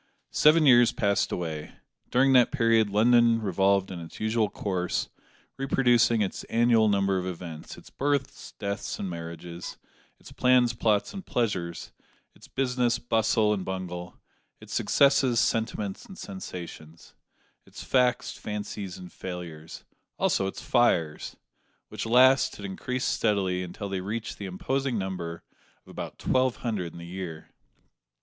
Seven years passed away. During that period London revolved in its usual course, reproducing its annual number of events its births, deaths, and marriages; its plans, plots, and pleasures; its business, bustle, and bungle; its successes, sentiments, and sensations; its facts, fancies, and failures also its fires; which last had increased steadily, until they reached the imposing number of about twelve hundred in the year.